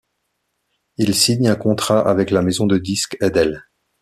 Ils signent un contrat avec la maison de disques Edel.